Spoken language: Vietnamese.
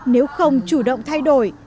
nếu không chủ động thay đổi